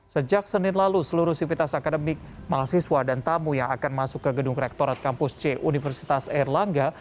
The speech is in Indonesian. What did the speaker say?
sejak senin lalu seluruh sivitas akademik mahasiswa dan tamu yang akan masuk ke gedung rektorat kampus c universitas erlangga